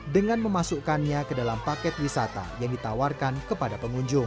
dengan memasukkannya ke dalam paket wisata yang ditawarkan kepada pengunjung